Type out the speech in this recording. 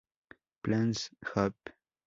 Pleasant Hope".